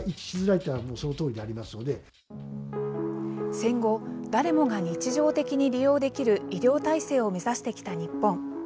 戦後、誰もが日常的に利用できる医療体制を目指してきた日本。